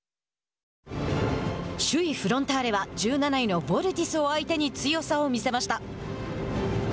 首位フロンターレは１７位のヴォルティスを相手に強さを見せました。